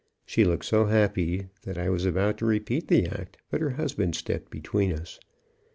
She looked so happy that I was about to repeat the act, but her husband stepped between us.